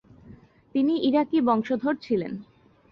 তিনি ইরাকী বংশধর ছিলেন।